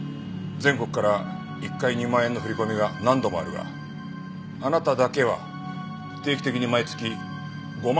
全国から１回２万円の振り込みが何度もあるがあなただけは定期的に毎月５万振り込んでいる。